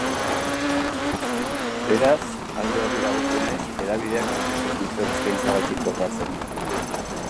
Beraz, alde horri dagokionez hedabideak ez du zerbitzuak eskaintzeagatik kobratzen.